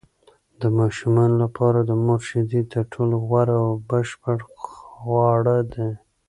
د ماشومانو لپاره د مور شیدې تر ټولو غوره او بشپړ خواړه دي.